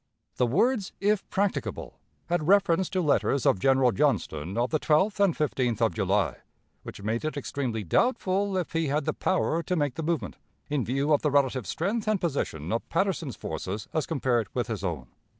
"The words 'if practicable' had reference to letters of General Johnston of the 12th and 15th of July, which made it extremely doubtful if he had the power to make the movement, in view of the relative strength and position of Patterson's forces as compared with his own.